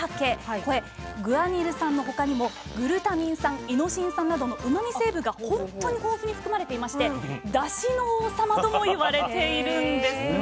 これグアニル酸の他にもグルタミン酸イノシン酸などのうまみ成分が本当に豊富に含まれていまして「だしの王様」とも言われているんですね。